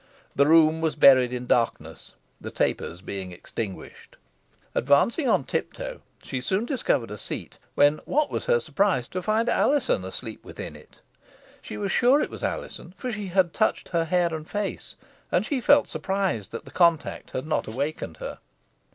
The room was buried in darkness, the tapers being extinguished. Advancing on tiptoe she soon discovered a seat, when what was her surprise to find Alizon asleep within it. She was sure it was Alizon for she had touched her hair and face, and she felt surprised that the contact had not awakened her.